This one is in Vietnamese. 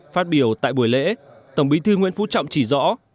phát biểu tại buổi lễ tổng bí thư nguyễn phú trọng chỉ rõ